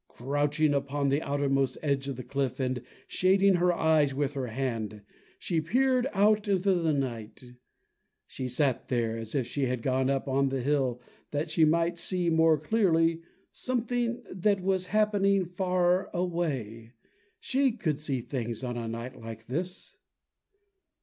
Crouching upon the outermost edge of the cliff, and shading her eyes with her hand, she peered out into the night. She sat there as if she had gone up on the hill that she might see more clearly something that was happening far away. She could see things on a night like this!